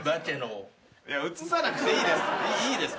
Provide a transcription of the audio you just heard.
いや映さなくていいです。